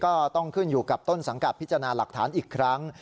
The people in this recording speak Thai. ก็ต้องขึ้นอยู่กับต้นสังกัดพิจารณาหลักฐานอีกครั้ง